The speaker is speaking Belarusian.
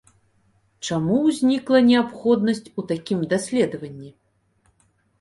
Чаму ўзнікла неабходнасць у такім даследаванні?